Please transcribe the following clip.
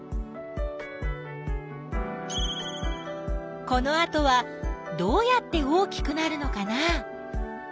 このあとはどうやって大きくなるのかな？